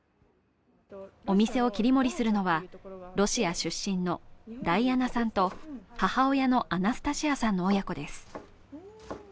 お店を切り盛りするのはロシア出身のダイアナさんと母親のアナスタシアさんの親子です。